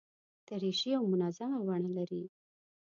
دریشي یو منظمه بڼه لري.